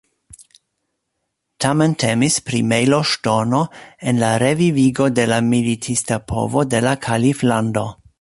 Tamen temis pri mejloŝtono en la revivigo de la militista povo de la kaliflando.